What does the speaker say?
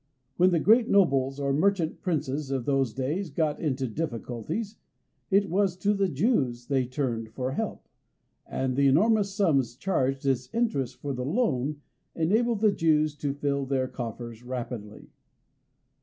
When the great nobles or merchant princes of those days got into difficulties, it was to the Jews they turned for help, and the enormous sums charged as interest for the loan enabled the Jews to fill their coffers rapidly.